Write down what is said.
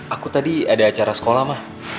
aku tadi ada acara sekolah mah